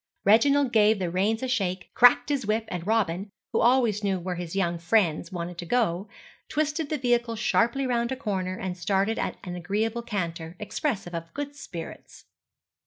Reginald gave the reins a shake, cracked his whip, and Robin, who always knew where his young friends wanted to go, twisted the vehicle sharply round a corner and started at an agreeable canter, expressive of good spirits.